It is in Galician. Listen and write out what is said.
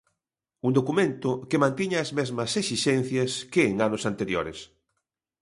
Un documento que mantiña as mesmas exixencias que en anos anteriores.